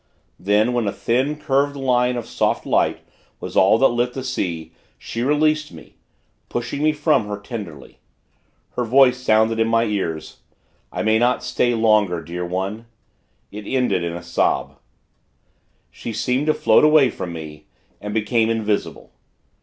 Then, when a thin, curved line of soft light was all that lit the sea, she released me pushing me from her, tenderly. Her voice sounded in my ears, 'I may not stay longer, Dear One.' It ended in a sob. She seemed to float away from me, and became invisible.